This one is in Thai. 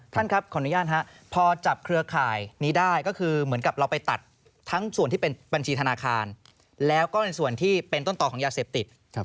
ท่านครับขออนุญาตพอจับเครือข่ายนี้ได้ก็คือเหมือนกับเราไปตัดทั้งส่วนที่เป็นบัญชีธนาคารแล้วก็ในส่วนที่เป็นต้นต่อของยาเสพติด